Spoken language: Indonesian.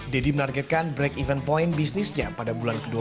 deddy menargetkan break even point bisnisnya pada bulan ke dua belas